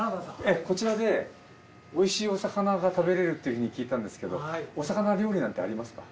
こちらでおいしいお魚が食べられるというふうに聞いたんですけどお魚料理なんてありますか？